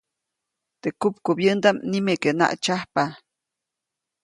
Teʼ kupkubyändaʼm nimeke naʼtsyajpa.